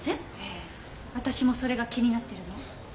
ええ私もそれが気になってるの。